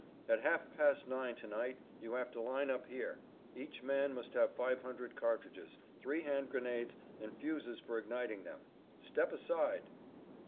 "At half past nine to night you have to line up here; each man must have 500 cartridges, three hand grenades, and fuses for igniting them; step aside!"